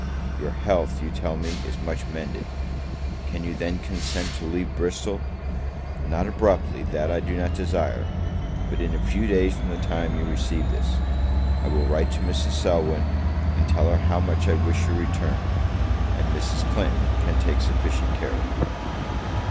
Your health, you tell me, is much mended: Can you then consent to leave Bristol? not abruptly, that I do not desire, but in a few days from the time you receive this? I will write to Mrs. Selwyn, and tell her how much I wish your return; and Mrs. Clinton can take sufficient care of you.